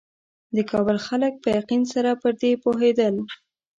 د کابل خلک په یقین سره پر دې پوهېدل.